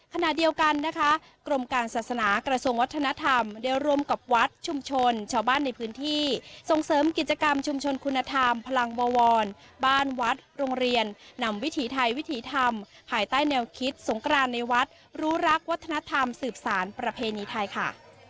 ขณะเดียวกันนะคะกรมการศาสนากระทรวงวัฒนธรรมได้ร่วมกับวัดชุมชนชาวบ้านในพื้นที่ส่งเสริมกิจกรรมชุมชนคุณธรรมพลังบวรบ้านวัดโรงเรียนนำวิถีไทยวิถีธรรมภายใต้แนวคิดสงกรานในวัดรู้รักวัฒนธรรมสืบสารประเพณีไทยค่ะ